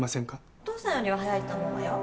お父さんよりは早いと思うわよ。